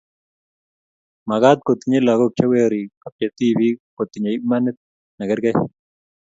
Magat kotinyei lagok che werik ak che tibik kotinyei imanit ne kerkei